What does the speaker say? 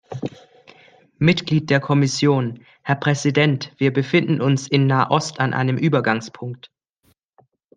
Mitglied der Kommission. - Herr Präsident! Wir befinden uns in Nahost an einem Übergangspunkt.